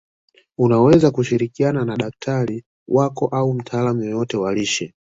Unaweza kushirikiana na daktari wako au na mtaalamu yoyote wa lishe